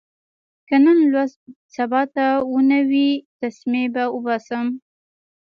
که نن لوست سبا ته ونه وي، تسمې به اوباسم.